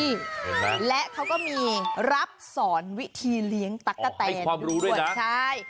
เห็นมั้ยและเขาก็มีรับสอนวิธีเลี้ยงตั๊กแตนอ๋อให้ความรู้ด้วยนะใช่